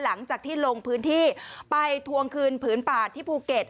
หลังจากที่ลงพื้นที่ไปทวงคืนผืนป่าที่ภูเก็ต